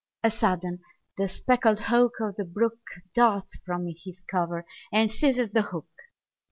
A sudden, the speckled hawk of the brook Darts from his cover and seizes the hook.